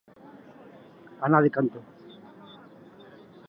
Anar de cantó.